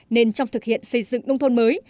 nên trong thực hiện xây dựng nông thôn mới